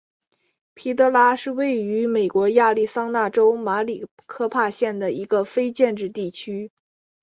皮德拉是位于美国亚利桑那州马里科帕县的一个非建制地区。